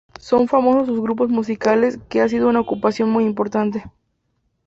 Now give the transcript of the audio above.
Son famosos sus grupos musicales que ha sido una ocupación muy importante.